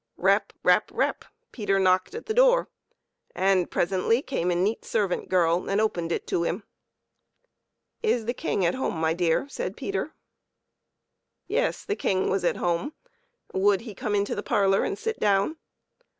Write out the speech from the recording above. Rap ! rap ! rap ! Peter knocked at the door, and presently came a neat servant girl and opened it to him. ." Is the King at home, my dear?" said Peter. Yes, the King was at home ; would he come into the parlor and sit down